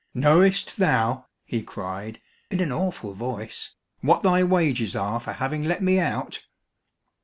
"Knowest thou," he cried in an awful voice, "what thy wages are for having let me out?"